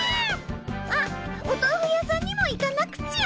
あっお豆腐屋さんにも行かなくちゃ。